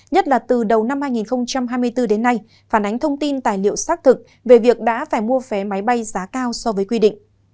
nhất là từ đầu năm hai nghìn hai mươi bốn đến nay phản ánh thông tin tài liệu xác thực về việc đã phải mua vé máy bay giá cao so với quy định